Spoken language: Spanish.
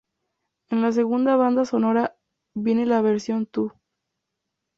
En la segunda banda sonora viene la versión "Too!